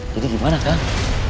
jadi gimana kang